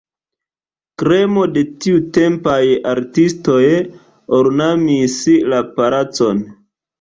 Kremo de tiutempaj artistoj ornamis la palacon.